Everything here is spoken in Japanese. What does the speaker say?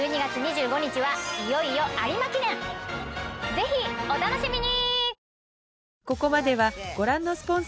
ぜひお楽しみに！